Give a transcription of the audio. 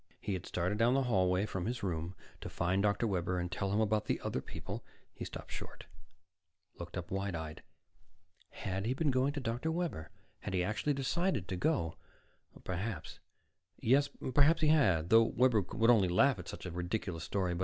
He had started down the hallway from his room, to find Dr. Webber and tell him about the other people He stopped short, looked up wide eyed. Had he been going to Dr. Webber? Had he actually decided to go? Perhaps yes, perhaps he had, though Webber would only laugh at such a ridiculous story.